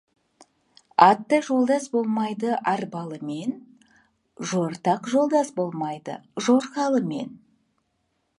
Атты жолдас болмайды арбалымен, жортақ жолдас болмайды жорғалымен.